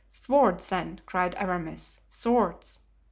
"Swords, then!" cried Aramis, "swords!